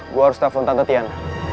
gue harus telepon tante tian